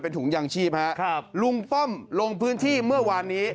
ถุงยางชีพฮะครับลุงป้อมลงพื้นที่เมื่อวานนี้